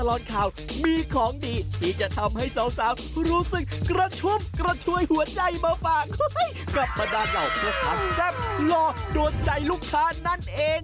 พ่อค้าแจ้บหล่อโดนใจลูกค้านั่นเอง